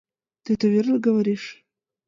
— Ты это верно говоришь?